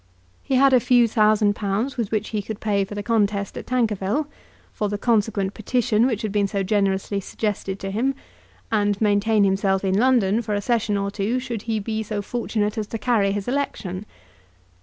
He had a few thousand pounds with which he could pay for the contest at Tankerville, for the consequent petition which had been so generously suggested to him, and maintain himself in London for a session or two should he be so fortunate as to carry his election.